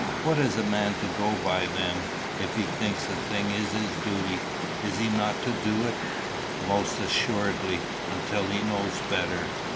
"What is a man to go by, then? If he thinks a thing is his duty, is he not to do it?" "Most assuredly until he knows better.